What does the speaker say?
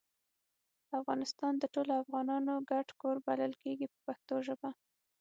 افغانستان د ټولو افغانانو ګډ کور بلل کیږي په پښتو ژبه.